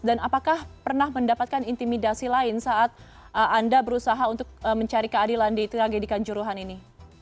dan apakah pernah mendapatkan intimidasi lain saat anda berusaha untuk mencari keadilan di tragedikan juruhan ini